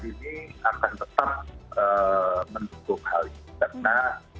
ini akan tetap mendukung hallyu